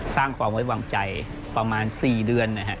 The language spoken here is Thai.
สร้างความไว้วางใจประมาณ๔เดือนนะฮะ